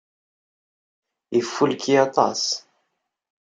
Ifulki aṭas.